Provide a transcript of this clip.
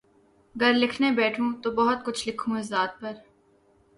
گر لکھنے بیٹھوں تو بہت کچھ لکھوں اس ذات پر